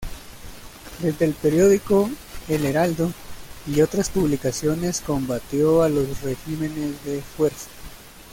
Desde el periódico "El Heraldo" y otras publicaciones, combatió a los regímenes de fuerza.